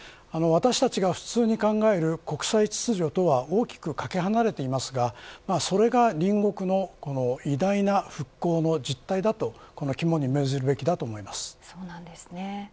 私たちが普通に考える国際秩序とは大きくかけ離れていますがそれが隣国の偉大な復興の実態だと肝に銘じるべきだと思います。